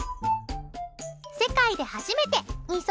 世界で初めて二足